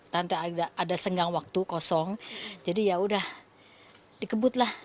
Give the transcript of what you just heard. tante ada senggang waktu kosong jadi yaudah dikebut lah